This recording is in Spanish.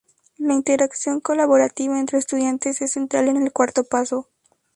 La interacción colaborativa entre estudiantes es central en el cuarto paso.